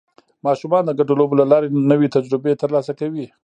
ماشومان د ګډو لوبو له لارې نوې تجربې ترلاسه کوي